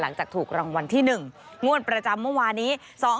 หลังจากถูกรางวัลที่๑งวดประจำเมื่อวานี้